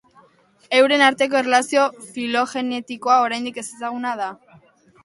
Euren arteko erlazio filogenetikoa oraindik ezezaguna da.